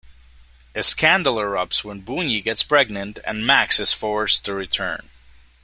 A scandal erupts when Boonyi gets pregnant and Max is forced to return.